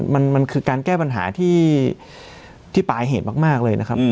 มันคือการแก้ปัญหาที่ปลายเหตุมากเลยนะครับ